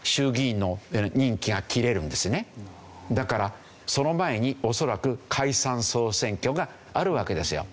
だからその前に恐らく解散総選挙があるわけですよ。